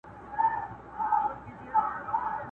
زولانه د خپل ازل یمه معذور یم!